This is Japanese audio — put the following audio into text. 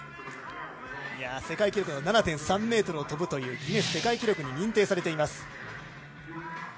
世界記録の７．３ｍを飛ぶというギネス記録に認定されています。